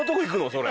それ。